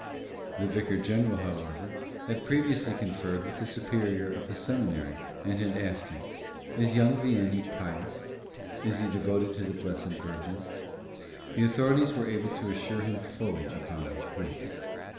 The vicar general, however, had previously conferred with the superior of the seminary and had asked him: "Is young Vianney pious? Is he devoted to the Blessed Virgin?" The authorities were able to assure him fully upon these points.